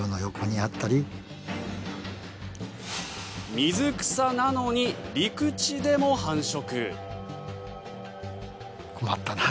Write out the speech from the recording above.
水草なのに陸地でも繁殖。